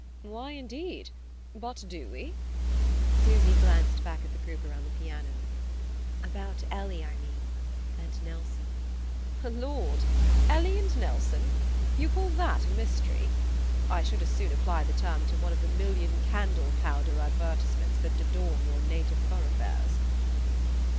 "Why, indeed: but do we?" Susy glanced back at the group around the piano. "About Ellie, I mean and Nelson." "Lord! Ellie and Nelson? You call that a mystery? I should as soon apply the term to one of the million candle power advertisements that adorn your native thoroughfares."